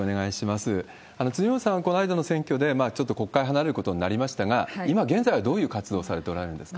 辻元さんはこの間の選挙でちょっと国会を離れることになりましたが、今現在はどういう活動をされておられるんですか？